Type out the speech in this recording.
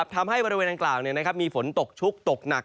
ทำให้บริเวณดังกล่าวมีฝนตกชุกตกหนัก